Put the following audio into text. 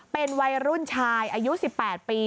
เป็นวัยรุ่นชายอายุ๑๘ปี